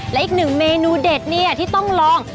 และอีกหนึ่งเมนูเด็ดเนี่ยที่ต้องลอง